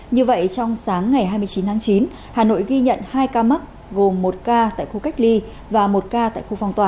như vậy trong sáng ngày hai mươi chín tháng chín hà nội ghi nhận hai ca mắc gồm một ca tại khu cách ly và một ca tại khu phòng tỏa